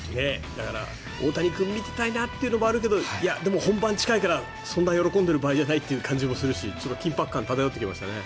だから、大谷君を見てたいなというのもあるけどでも本番が近いからそんな喜んでる場合じゃないという感じもするしちょっと緊迫感が漂ってきましたね。